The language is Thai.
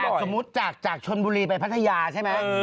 สมมุติจากชนบุรีไปพัทยาใช่ไหม